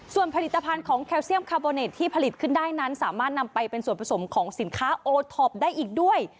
ส่วนผลิตภัณฑ์ของแคลเซียมคาร์โบเนตที่ผลิตขึ้นได้นั้นสามารถนำไปเป็นส่วนผสมของสินค้าโอท็อปได้อีกด้วย